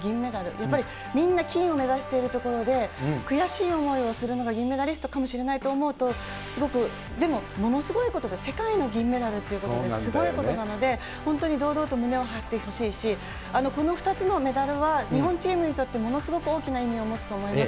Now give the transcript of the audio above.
やっぱりみんな金を目指しているところで、悔しい思いをするのが銀メダリストかもしれないと思うと、すごく、でもものすごいことで、世界の銀メダルっていうことですごいことなので、本当に堂々と胸を張ってほしいし、この２つのメダルは、日本チームにとってものすごく大きな意味を持つと思います。